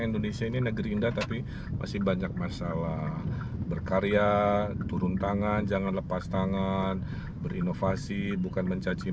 indonesia ini negeri indah tapi masih banyak masalah berkarya turun tangan zangan lepas tangan